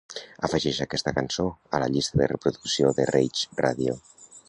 Afegeix aquesta cançó a la llista de reproducció de Rage Radio.